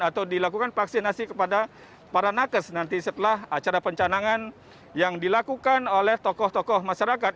atau dilakukan vaksinasi kepada para nakes nanti setelah acara pencanangan yang dilakukan oleh tokoh tokoh masyarakat